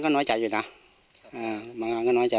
น้อยใจมันเกินไป